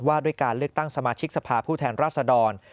ว่าด้วยการเลือกตั้งสมาชิกสภาพผู้แทนราษดร